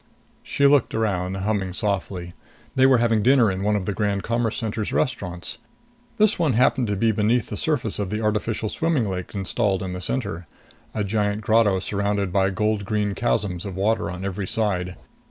She looked around, humming softly. They were having dinner in one of the Grand Commerce Center's restaurants. This one happened to be beneath the surface of the artificial swimming lake installed in the Center a giant grotto surrounded by green gold chasms of water on every side.